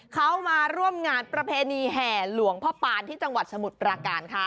เขามาร่วมงานประเพณีแห่หลวงพ่อปานที่จังหวัดสมุทรปราการค่ะ